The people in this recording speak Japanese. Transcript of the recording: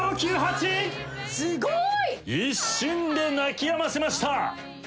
すごい！一瞬で泣きやませました。